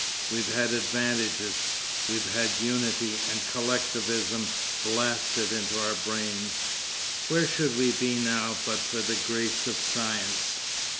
We've had advantages; we've had unity and collectivism blasted into our brains. Where should we be now but for the grace of science?